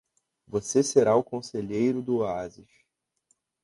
Você será o conselheiro do oásis.